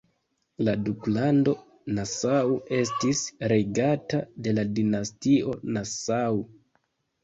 La duklando Nassau estis regata de la dinastio Nassau.